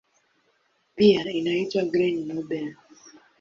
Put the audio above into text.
Pia inaitwa "Green Nobel".